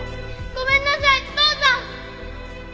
ごめんなさい父さん！